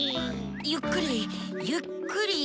ゆっくりゆっくり。